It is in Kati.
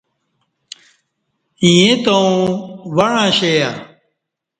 ییں تاوں وعں اشیہ